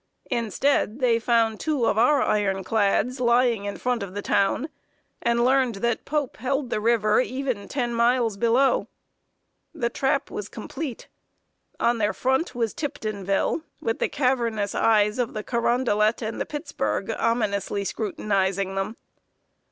Instead, they found two of our iron clads lying in front of the town, and learned that Pope held the river even ten miles below. The trap was complete. On their front was Tiptonville, with the cavernous eyes of the Carondelet and the Pittsburgh ominously scrutinizing them.